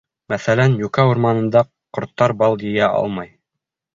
Мәҫәлән, йүкә урманында ҡорттар бал йыя алмай.